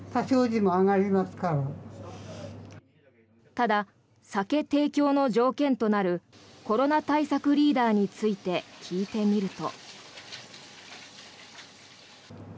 ただ、酒提供の条件となるコロナ対策リーダーについて聞いてみると。